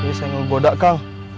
ini saya menggoda kak